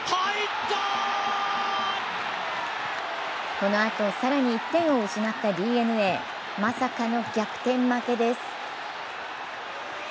このあと更に１点を失ったＤｅＮＡまさかの逆転負けです。